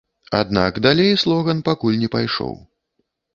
Аднак далей слоган пакуль не пайшоў.